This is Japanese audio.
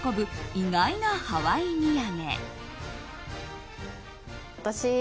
意外なハワイ土産。